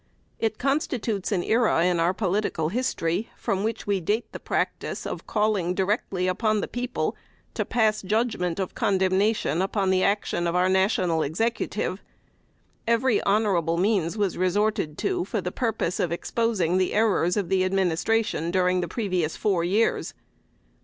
It constitutes an era in our political history, from which we date the practice of calling directly upon the people to pass judgment of condemnation upon the action of our National Executive. Every honorable means was resorted to for the purpose of exposing the errors of the Administration during the previous four years.